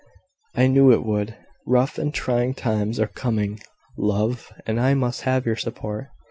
I knew it would. Rough and trying times are coming, love, and I must have your support.